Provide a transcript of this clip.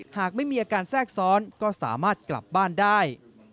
หากไม่มีอาการแทรกซ้อนก็สามารถกลับบ้านได้